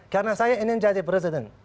karena saya ingin jadi presiden